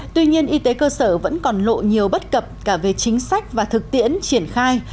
tuy nhiên y tế cơ sở vẫn còn lộ nhiều bất cập cả về chính sách và thực tiễn triển khai